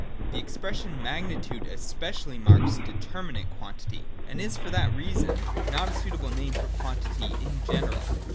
(i) The expression Magnitude especially marks de terminate Quantity, and is for that reason not a suitable name for Quantity in general.